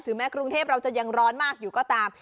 แม้กรุงเทพเราจะยังร้อนมากอยู่ก็ตาม